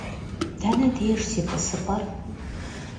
Dene dêjj si t'ısıp'er?